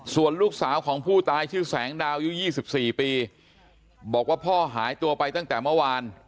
ส่วนลูกสาวของผู้ตายชื่อแสงดาวอายุ๒๔ปีบอกว่าพ่อหายตัวไปตั้งแต่เมื่อวาน